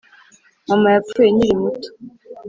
Mama yapfuye nyiri muto